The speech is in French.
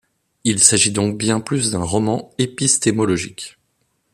Il s'agit donc bien plus d'un roman épistémologique.